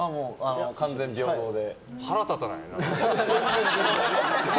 完全平等で。